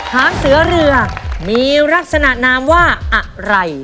หางเสือเรือมีลักษณะนามว่าอะไร